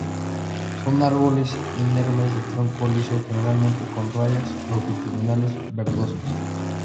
Son árboles inermes de tronco liso, generalmente con rayas longitudinales verdosas.